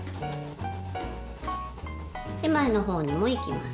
前のほうにもいきます。